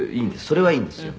それはいいんですよ」